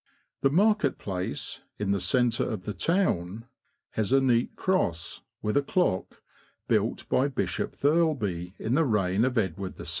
The Market place, in the centre of the town, has a neat cross (with a clock), built by Bishop Thirlby, in the reign of Edward VI.